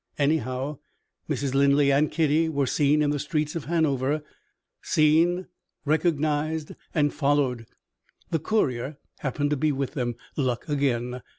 Anyhow, Mrs. Linley and Kitty were seen in the streets of Hanover; seen, recognized, and followed. The courier happened to be with them luck again!